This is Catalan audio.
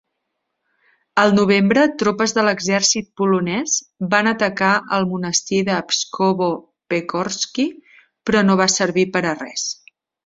Al novembre tropes de l'exèrcit polonès van atacar el monestir de Pskovo-Pechorsky, però no va servir per a res.